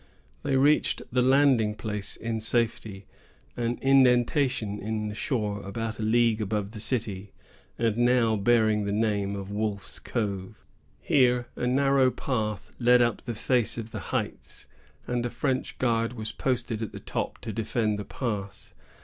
They reached the landing place in safety,——an indentation in the shore, about a league above the city, and now bearing the name of Wolfe's Cove. Here a narrow path led up the face of the heights, and a French guard was posted at the top to defend the pass.